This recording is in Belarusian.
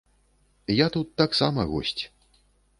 Я тут таксама госць.